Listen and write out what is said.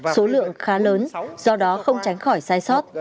số lượng khá lớn do đó không tránh khỏi sai sót